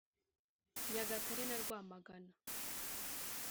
Nyagatare na Rwamagana